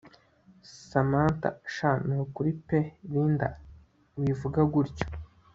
Samantha sha nukuri pe Linda wivuga gutyo